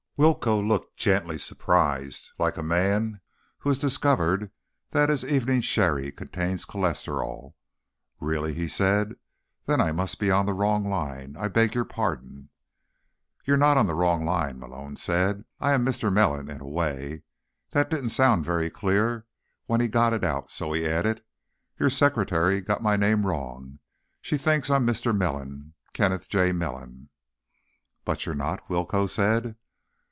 Willcoe looked gently surprised, like a man who has discovered that his evening sherry contains cholesterol. "Really?" he said. "Then I must be on the wrong line. I beg your pardon." "You're not on the wrong line," Malone said. "I am Mr. Melon in a way." That didn't sound very clear when he got it out, so he added: "Your secretary got my name wrong. She thinks I'm Mr. Melon—Kenneth J. Melon." "But you're not," Willcoe said.